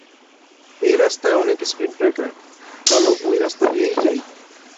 এই রাস্তায় অনেক স্পিড ব্রেকার, চলো এই রাস্তা দিয়েই যাই।